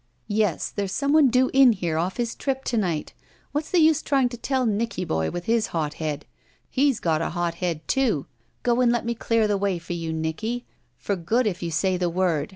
Yes, there's some one due in here off his trip to night. What's the use trying to tell Nicky boy with his hot head. He's got a hot head, too. Go, and let me clear the way for you, Nicky. For good if you say the word.